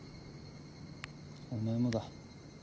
お前もだ。